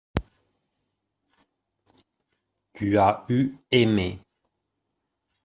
tu as eu aimé.